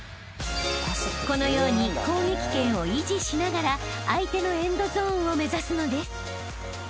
［このように攻撃権を維持しながら相手のエンドゾーンを目指すのです］